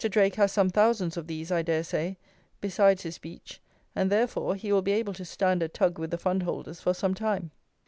Drake has some thousands of these, I dare say, besides his beech; and, therefore, he will be able to stand a tug with the fundholders for some time.